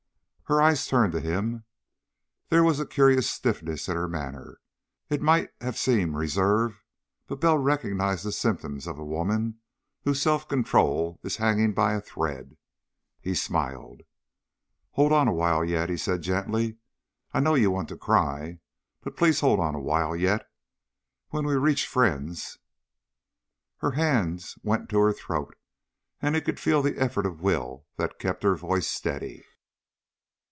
Her eyes turned to him. There was a curious stiffness in her manner. It might have seemed reserve, but Bell recognized the symptoms of a woman whose self control is hanging by a thread. He smiled. "Hold on a while yet," he said gently. "I know you want to cry. But please hold on a while yet. When we reach friends...." Her hands went to her throat, and he could feel the effort of will that kept her voice steady.